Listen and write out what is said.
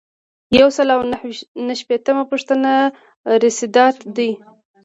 یو سل او نهه شپیتمه پوښتنه رسیدات دي.